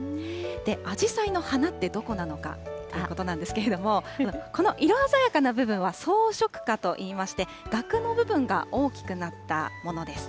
アジサイの花ってどこなのかということなんですけど、この色鮮やかな部分は装飾花といいまして、がくの部分が大きくなったものです。